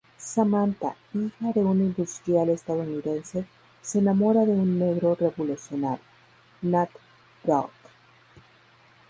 Samantha hija de un industrial estadounidense se enamora de un negro revolucionario, Nat Brook.